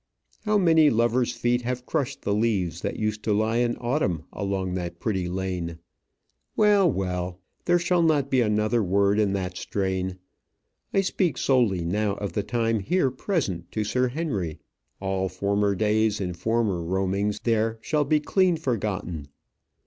How many lovers' feet have crushed the leaves that used to lie in autumn along that pretty lane! Well, well; there shall not be another word in that strain. I speak solely now of the time here present to Sir Henry; all former days and former roamings there shall be clean forgotten.